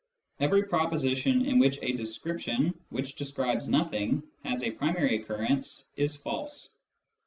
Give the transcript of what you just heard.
Every proposition in which a description which describes nothing has a primary occurrence is false.